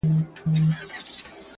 نن مي شیخ د میخانې پر لاري ولید -